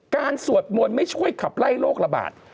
สวดมนต์ไม่ช่วยขับไล่โรคระบาด